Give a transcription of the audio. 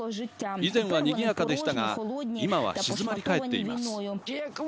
以前は、にぎやかでしたが今は静まり返っています。